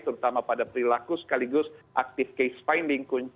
terutama pada perilaku sekaligus active case finding